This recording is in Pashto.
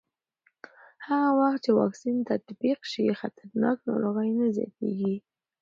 هغه وخت چې واکسین تطبیق شي، خطرناک ناروغۍ نه زیاتېږي.